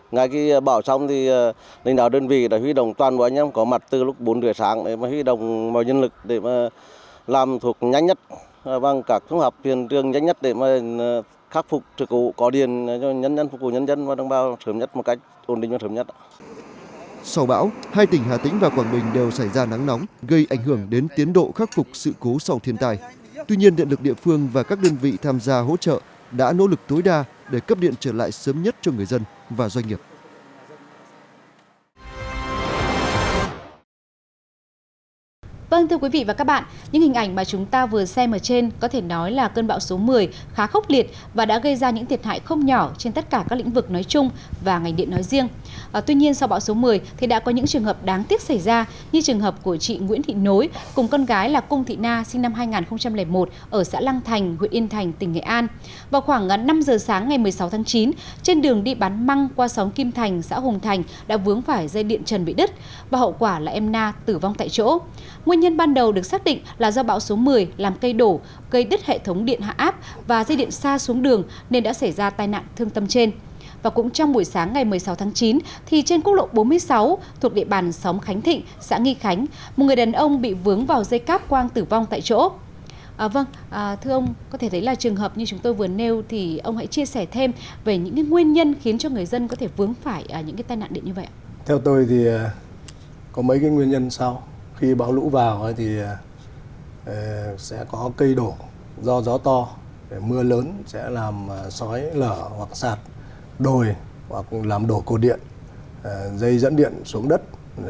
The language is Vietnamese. ngày khi bão xong thì lĩnh đạo đơn vị đã huy động toàn bộ anh em có mặt từ lúc bốn giờ sáng để huy động vào nhân lực để làm thuộc nhanh nhất và các phương hợp phiền trường nhanh nhất để khắc phục sự cố có điện cho nhân dân phục vụ nhân dân và đồng bào sớm nhất một cách ổn định và sớm nhất